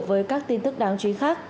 đối với các tin tức đáng chú ý khác